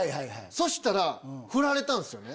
そしたらフラれたんすよね。